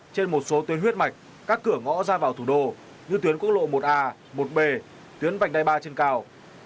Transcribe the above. trên một số tuyến huyết mạch các cửa ngõ ra vào thủ đô như tuyến quốc lộ một a một b tuyến vành đai ba trên cao